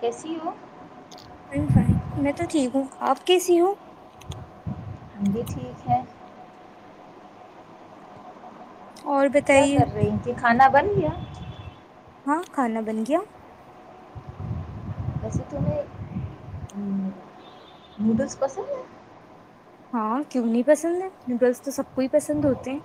کیسی ہو ف ف میں تو ٹھیک ہوں آپ کیسے ہو ہم بھی ٹھیک ہے اور کیا بتائیے کر رہی کہ کھانا بن گیا ہاں کھانا بن گیا ویسے تو میں نوڈلس پسند ہے ہاں کیوں نہیں پسند ہے نوڈلس تو سب کو ہی پسند ہوتے ہیں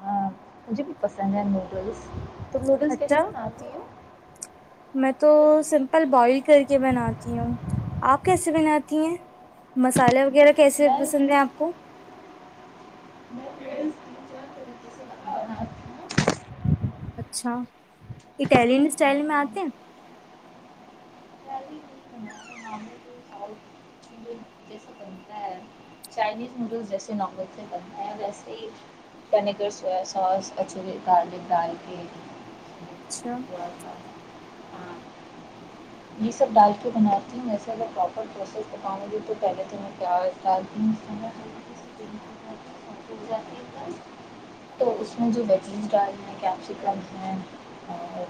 ہاں مجھے بھی پسند ہے نوڈلس تو نوڈلس کیسے اچھا بناتی ہیں میں تو سمپل بوائل کر کے بناتی ہوں آپ کیسے بناتی ہیں مسالے وغیرہ کیسے میں پسند ہیں آپ کو میں نوڈلس تین چار طریقے سے بنا- بناتی ہوں اچھا اٹیلین اسٹائل اور میں آتے ہیں پہلی میری بنانے معاملے میں ساؤتھ انڈین جیسے بنتا ہے چائنیز نوڈلس جیسے نان ویج سے بنتا ہے ویسے ہی ونییگر سویا سوس اچورے گارلک ڈال کے اچھا تھوڑا سا یہ سب ڈال کے بناتی ہوں ویسے اگر پراپر پروسیس بکاؤں گی تو پہلے تو میں پیاز دالینس جات تو اس میں جو ویجینس ڈال ہیں کیپسیکم ہے اور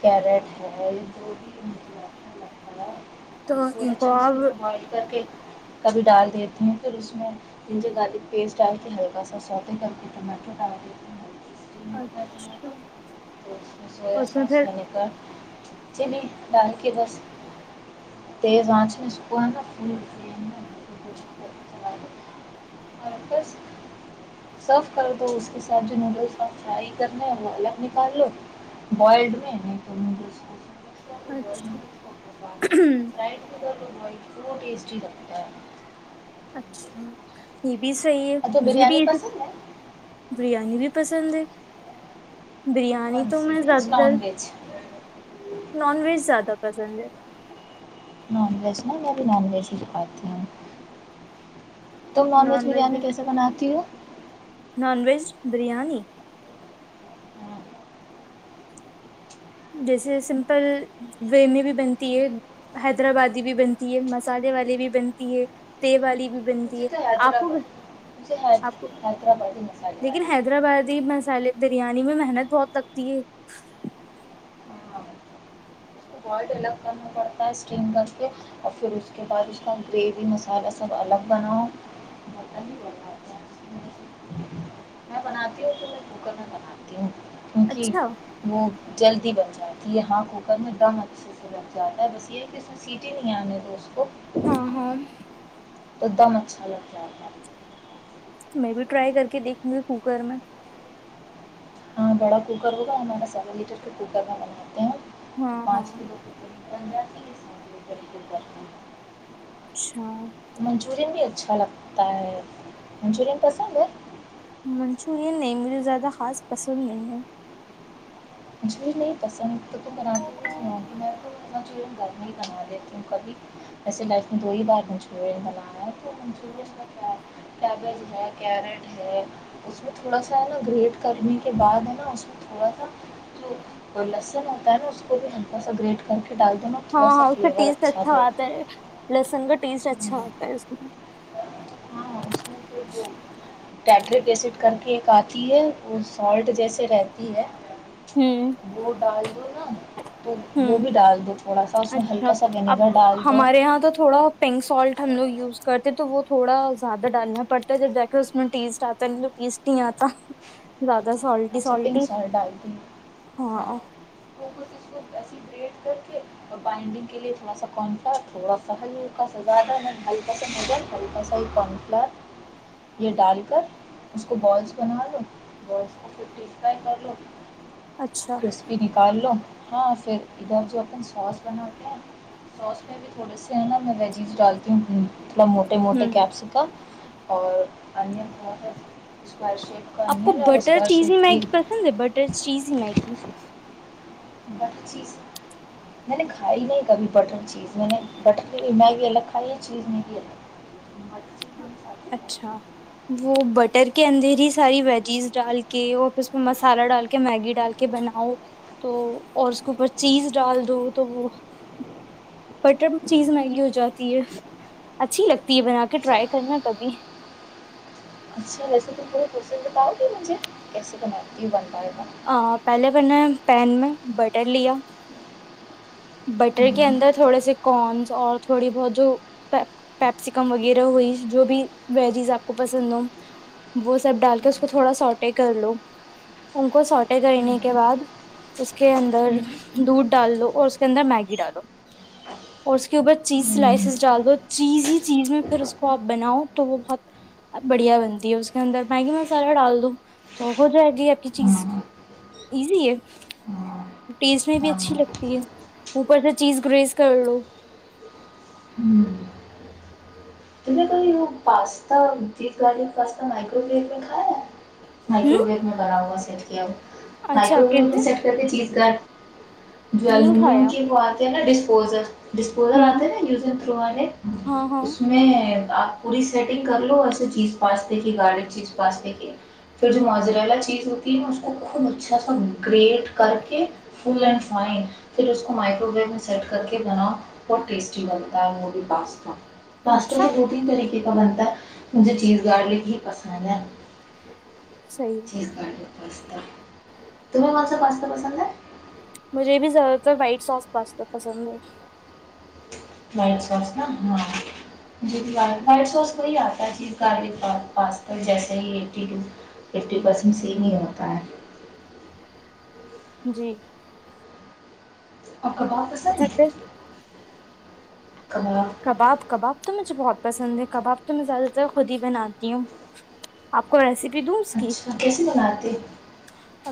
کیرٹ ہے جو بھی [inaudible] تو سویا ان کو چونکہ آپ بھی میں بیل کر کے کبھی ڈال دیتے ہیں پھر اس میں جنجر گرلک پیسٹ ڈال کے ہلکا سا سوٹی کر کے ٹماٹر ڈال دیتے ہیں اچھا سویا اس میں ساس پھر ونیگر چلی ڈال کے بس تیز آنچ میں سکھوا نا فل اور بس سرو کر دو اس کے ساتھ جو نوڈلس فرائی کر لیں وہ الگ نکال لو بوائلڈ میں نہیں تو نوڈلس [inaudible] اچھا وہ ٹسٹی لگتا ہے اچھا یہ بھی صحی ہے تو مجھے بھی بریانی یہ پسند ہے بریانی بھی پسند ہے بریانی کون تو سی میں ویج زیادہ تر نان ویج نان ویج زیادہ پس [inaudible] نان ویج نا میں بھی نان ویج ہی کھاتی ہوں تم نان ویج بریانی کیسے بناتی ہو نان ویج بریانی جیسے سمپل وے میں بھی بنتی ہے حیدرآ آبادی بھی بنتی ہے مسالے والی بھی بنتی ہے تیل والی بھی بنتی مجھے ہے تو آپ کو حیدرآباد مجھے آپ کو حیدرآبادی مسالے لیکن حیدرآبادی مسالے بریانی میں محنت بہت لگتی ہے سالٹ الگ کرنا پڑتا ہے اسٹیم کر کے اور پھر اس کے بعد اس کا گریوی مسالہ سب الگ بناؤ ہی باتا بناتی ہوں تو میں کوکر میں بناتی ہوں اچھا کیونک وہ جلد ھی بن جاتی ہے یہ ہاں کوکر میں دم اچھے سے بن جاتا ہے بس یہ ہے کہ اس میں سیٹی نہیں آنے تو اس کو ہاں ہاں ایک دم اچھا لگتا ہے میں بھی ٹرائی کر کے دیکھوں گی کوکر میں ہاں بڑا کوکر ہوگا نے سیون لیٹر کے کوکر کا بناا ہیں تو ہاں ہاں پانچ ک روپے پنجی کے س کر پ ہیں اچھا منچورن بھی ا اچھا لگتا ہے منچورین پسند ہے منچورین نہیں، مجھے زیادہ خاص پسند نہیں ہے مجھ بھی نہیں پسند تو مناات کی تونا چ نہیں بنا دیتی ہوں کبھی ویسے لائف میں دو ہی بار منچورین بناانا ہے تو منچورن کا کیا کیبج ہے کیرٹ ہے اس میں تھوڑا سا ہے نا گریٹ کرنے کے بعد ہے نا اس میں تھوڑا سا جو لسن ہوتا ہے نا اس کو بھی ہلکا سا گریٹ کر کے ڈال دو نا تھوڑا ہاں سا ہاں اس کا فلیور ٹیسٹ اچھا دے آتا ہے لہسن کا ٹیسٹ اچھا ہوتا ہے اس میں اں اس ایڈ کر کے ایک آتی ہے وہ سالٹ جیسے رہتی ہے ہوں وہ ڈال دو نا تو وہ ہوں بھی ڈال دو تھوڑا سا اس میں اچھا ہلکا سا اب ونیگر ڈال دو ہمارے یہاں تو تھوڑا پینک سالٹ ہم لوگ یوز کرتے تو وہ تھوڑا زیادہ ڈالنا پڑتا ہے جب دیکھو اس میں ٹیسٹ آتا نہیں تو ٹیسٹ نہیں آتا زیادہ ا سولٹی اچھا پنک سولٹی سالٹ ہاں فوکس اس کو ایسی بریڈ کر کے اور بائنڈنگ کے لیے تھوڑا سا کانفلیکٹ تھوڑا سا ہل ہلکا سزدہ ہلکا سا ہو جائے ہلکا سا ہی کانفلیکٹ یہ ڈال کر اس کو بالس بنا دوو بالس ا پ ھیک کا کر لو اچھا کرسپی نکال لو ہاں پھر ادھر جو اپن سوس بناتے ہیں سوس میں بھی تھوڑے سے ہیں نا میں ویجیز ڈالتی ہوں تھڑ موٹے موٹے ہوں کیپسکا اور انیہ بہت خرش کرنی رگ چیز ہی میگی پسند ہے بٹر چیز ہی میگی بٹر چیز میں نے کھائی نہیں کبھی بٹر چیز میں نے بٹر میگی الگ کھائی ہے چیز میگی الگ مچ چن ساد اچھا وہ بٹر کے اندر ہی ساری ویجیز ڈال کے اور پھر اس پ مسالہ ڈال کے میگی ڈال کے بناؤ تو اور اس کے اوپر چیز ڈال دو تو وہ بٹر میں چیز میگی ہو جاتی ہے اچھی لگتی یہ بنا کے اچھا ٹرائی کبھی اچھا ویسے تم پے پروسس بتاؤ گی مجھے کیسے بنا کیو بن رہا ہے آ پہلے میں نے پین میں بٹر لیا بٹر کے اندر ہوں تھوڑے سے کورنس اور تھوڑی بہت جو پیپسیکم وغیرہ ہوئی جو بھی ویجیز آپ کو پسند ہو وہ سب ڈال کے اس کو تھوڑا سوٹے کر لو ان کو سوٹے کرنے کے بعد اس کے اندر دودھ ڈال لو اور اس پھر نا میگی ڈالو اور اس کے اوپر چیز ہوں سلائسیز ڈال دو چیز ہی چیز میں پھر اس کو آپ بناؤ تو وہ بہت بڑھیا بنتی ہے اس کے اندر میگی مسالہ ڈال دو تو ہو جائے گی آپ کی چیز ہاں ایزی ہے ہاں ٹیسٹ میں بھی اچھی ہاں لگتی ہے اوپر سے چیز گریز کر لو ہوں تم نے کوئی pasta beef garlic pasta microwave میں کھایا ہے ہوں مائکرو ویو میں بناؤ چ کی اچھا مائکرو ویو کیسے میں سیٹ کرکے چیز کر جو نہیں الومینم کھایا کی وہ آتے ہیں نا ڈش پوزک ڈسپوزل ہوں آتے نا یوزنگ تھرو والے ہاں ہاں اس میں آپ پوری سیٹنگ کر لو ایسے چیز پاستے کی گارڈڈ چیز پاستے کی پھر جو ماجر والا چیز ہوتی ہے نا اس کو خوب اچھا سا گریٹ کر کے فل اینڈ فائن پھر اس کو مائکرو ویو میں سیٹ کر کے بناؤ بہت ٹیسٹی لگتا ہے وہ بھی پاستا پاستا کے اچھا بکنگ طریقہ کہ کو بنتا ہے مجھے چیز گارلک بی پسند ہے ٹھیک ہے پاستا تمہیں کونسا پاستا پسند ہے مجھے بھی زیادہ تر وائٹ سوس پاستا پسند ہے وائٹ سوس نا ہاں جو کہ وائٹ سوس وہی آتا ہے چیز گارلک کا پاستا جیسے ہی ایٹی پرسینٹ سیم ہی ہوتا ہے جی اور کباب پسند اچھا ہے پھر کباب کباب تو مجھے بہت پسند ہے کباب تو میں زیادہ تر خود ہی بناتی ہوں آپ کو ریسپی دوں اس کی اچھا کیسے بناتے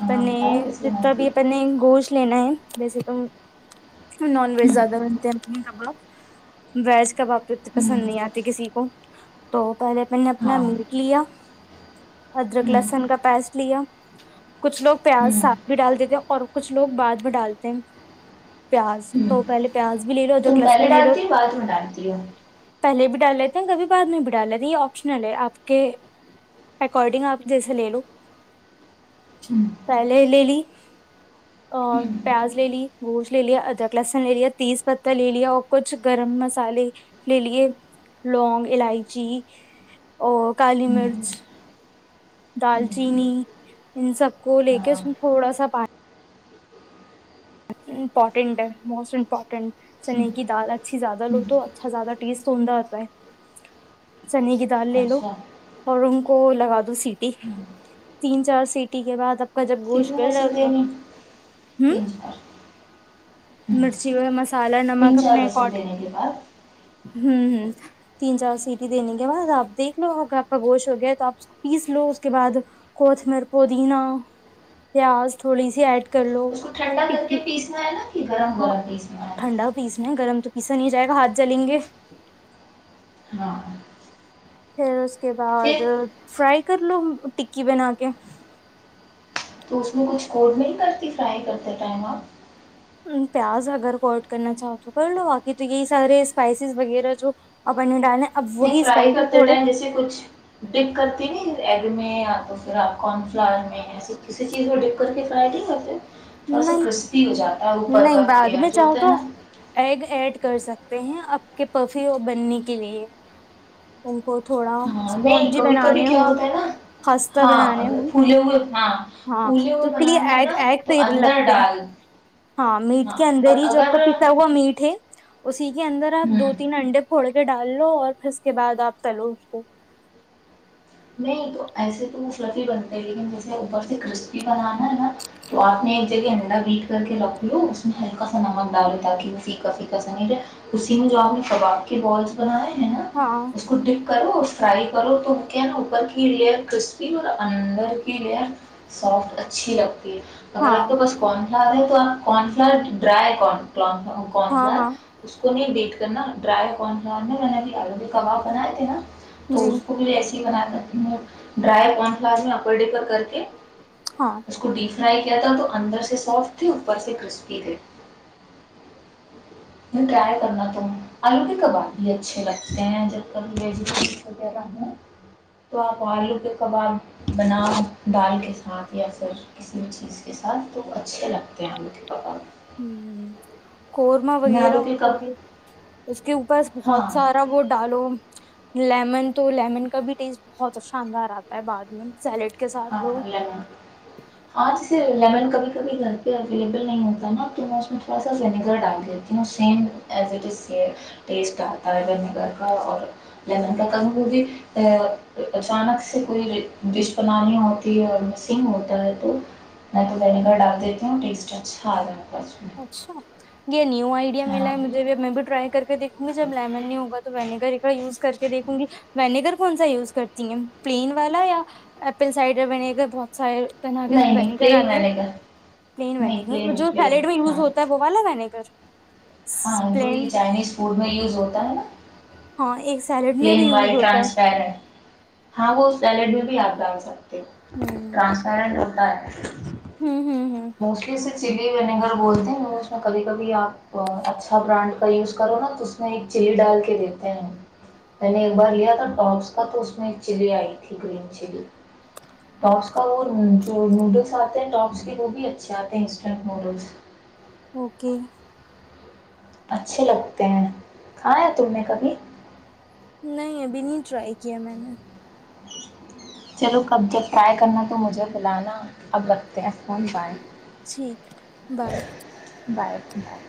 ہاں بتاؤ کیسے جتنا بناتی بھی اپنے گوشت لینا ہے جیسے تم نان ویج ہوں زیادہ بنتے ہیں کباب ویج کباب تو اتنے پسند نہیں آتے کسی کو تو پہلے میں نے اپنا ہاں میٹ لیا ادرک ہوں لہسن کا پیسٹ لیا کچھ لوگ پیاز ہوں ساگ بھی ڈال دیتے اور کچھ لوگ بھات بھی ڈالتے ہیں پیاز تو ہوں پہلے پیاز بھی لے لو ادرک لہسن لے لو بات م ڈانتی ہوں ٹال لیتے ہیں کبھی بعد میں بٹال لیتے یہ آپشنل ہے آپ کے اکارڈنگ آپ جیسے لے لو ہوں پھلے لےلی ہوں پیاز لے لی گوشت لے لیا ادرک لہسن لے لیا تیز پتہ لے لیا اور کچھ گرم مسالے لے لیے لونگ الائچی اور کالی مرچ دال چینی ان سب کو لے کے اس ہاں تھوڑا سا پانی امپورٹینٹ ہے موسٹ امپورٹینٹ ہوں چنے کی دال اچھی زیادہ ہوں لو تو اچھا زیادہ ٹیسٹ توندہ ہوتا ہے چنے کی جال لے لو اچھا اور کو لگا دو سیٹی تین چار سیٹی کے بعد ا سف نسل د میں ہوں تین چار مرچی ہو مسالہ نمک تین چار اپنے ویسل ایکٹ دینے کے بعد ہوں ہ تین چار سیٹی دینے کے بعد آپ دیکھ لو اگر آ کا گوش ہو گیا تو آپ اس پیس لو اس کے بعد کوتھمیر پودینہ پیاز تھوڑی سی ایڈ کر لو اس کو ٹھنڈا کر ٹکی پیسنا ہے نا کہ گرم ہاں گرم پیسنا ہے ٹھنڈا پیسنا ہے گرم تو پیسا نہیں جائے گا ہاتھ جلیں گے ہاں پھر اس کے بعد پھر فرائی کر لو ٹکی بنا کے تو اس میں کچھ کوڈ نہیں کرتی فرائی کرتے ٹائم آپ پیاز اگر کو ایڈ کرنا چاہو تو کر لو باقی تو یہی سارے اسپائسیز وغیرہ جو آپ اپنے ڈالیں نہیں فرائی کرتے ٹائم جیسے کچھ ڈک کر نہیں ایگ میں یا تو پھر آپ کارن فلر میں ایسے کسی چیز میں ڈک کر کے فرائی نہیں کرتے تھوڑا سا نہیں کرسپی ہو جاتا ہے اوپر نہیں کا بعد میں لیئر جو چاہو ہوتا ہے تو نا ایگ ایڈ کر سکتے ہیں آپ کے پفی اور بننے کے لیے ان کو تھوڑا ہاں نہیں اسپونجی کبھی کبھی بنانے کیا ہوں ہوتا ہے نا خستہ ہاں بنانے اگر ہوں پھولے ہوئے ہاں ہاں پھولے تو ہوئے اس کے لیے بنانا ہے ایگ نا ایگ تو صحیح اندر لگتے ڈال ہاں میٹ کے اندر اور ہی ج آ کا اگر پستا ہوا میٹ ہے اسی کے اندر آپ دو ہوں تین انڈے پھوڑ کے ڈال لو اور پھر اس کے بعد آپ چلو اس کو نہیں تو ایسے تو مصرف ہی بنتے لیکن جیسے اوپر سے کرسپی بنانا ہے نا تو آپ نے ایک جگہ انڈا بیٹ کر کے رکھ لو اس میں ہلکا سا نمک ڈالو تاکہ وہ پیکا پیکا سے اسی میں جو آپ نے کباب کے بالس بنائے ہے نا ہاں اس کو ڈٹپ کرو اس فرائی کرو تو اوپر کی لئر کرسپی اور اندر کی لئر سافٹ اچھی لگتی ہے اگر ہاں آپ کا بس کون سا آ رہا ہے تو آپ کنفلرٹ ڈرائین ہاں کونسلر ہاں اس کو نہیں بی کرنا ڈر نےب کباب بنائے تھے نا تو جی اسکول بناتی ہوں ڈرائی کن فلاور میں اپر ڈے پر کر کے ہاں اسکوٹی فرائی کیا تھا تو اندر سے سافٹ تھے اوپر سے کرسپی تھے ٹرائی کرنا تو آلو کے کباب بھی اچھے لگتے ہیں جب کبھی ویجیٹیبلس وغیرہ ہ تو آپ آلو کے کباب بناؤ دال کے ساتھ یا پھر کسی بھی چیز کے ساتھ تو اچھے لگتے ہیں آلو کے کباب ہوں قورمہ میں وغیرہ آلو کے ہوت گ کب اس کے اوپر بہت ہاں سارا وہ ڈالو لیمن تو لیمن کا بھی ٹیسٹ بہت شاندار آتا ہے بعد میں سیلیڈ کے ساتھ ہاں لو ال لیمن کبھی کبھی گھر پہ اویلیبل نہیں ہوتا نا تو میں اس میں تھوڑا سا ونیگر ڈال دیتی ہوں اور سیم ایز ا سے ٹیسٹ آتا ہے ونییگر کا اور لیمن کا کبھی وہ بھی اچانک سے کوئی ڈش فلانی ہوتی ہے اور مسنگ ہوتا ہے تو میں تو ونییگر ڈال دیتی ہوں ٹیسٹ اچھا آ رہا ہے اس میں اچھا یہ نیو آئی ملا ہاں ہے مجھے ٹرائی کر کے دیکھوں گی جب لیمن نہیں ہوگا تو ونیگر یوز کر کے دیکھوں گی ونیگر کون سا یوز کرتی ہیں پلین والا یا ایپل سائڈر ونیگر بہت سارے طرح کے نہیں نہیں ونیگر پلین آتے ہیں میںے گ نہیں پلین پلین لوز ہاں ہوتا ہے بواگ ن گگر ہاں جو یہ چائنیز فوڈ میں یوز ہوتا ہے نا ہاں ایک سیلیڈ میں بھی پلین یوز وائٹ ہوتا ٹرانسپر ہے ہاں وہ سیلیڈ میں بھی یادگار س ہوں ٹرانس بائے ہوں ہوں ہوں وسٹلی چلی ونیگر بولتے ہیں اس میں کبھی کبھی آپ اچھا برانڈ کا یوز کرو نا تو اس میں ایک چلی ڈال کے دیتے ہیں میں نے ایک بار لیا تھا ٹپس کا تو اس میں ایک چلی آئی تھی گم چلی ٹاپس کا وہ جو نوڈلس آتے ہیں ٹپس وہ بھی اچھے آتے ہیں انسٹ موڈل اوکے اچھے لگتے ہیں کھایا تم نے کبھی نہیں ابھی نہیں ٹرائی کیا میں نے چلو کب جب ٹرائی کرنا تو مجھے بلانا اب رکھتے ہیں کون بائے ٹھیک بائے بائے بائے